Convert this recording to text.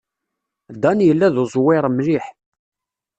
Dan yella d uẓwir mliḥ.